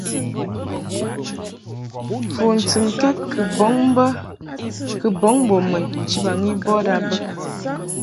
Fu ntɨnkɛd kɨ bɔŋ mbo mun nchibaŋ i bɔd a bə.